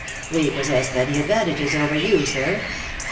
We possess many advantages over you, sir.